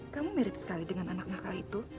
kamu mirip sekali dengan anak anak kali itu